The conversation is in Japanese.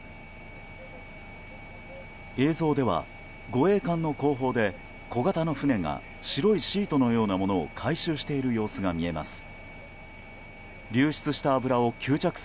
映像では護衛艦の後方で小型の船が白いシートのようなものを回収している様子が見えます。